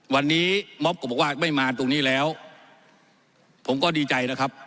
วันนี้ม็อบก็บอกว่าไม่มาตรงนี้แล้วผมก็ดีใจนะครับ